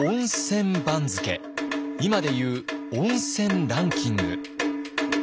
今でいう温泉ランキング。